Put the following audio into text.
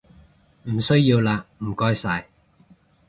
唔需要喇唔該晒